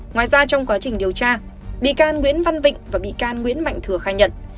ngoài ra trong quá trình điều tra bị can nguyễn văn vịnh và bị can nguyễn mạnh thừa khai nhận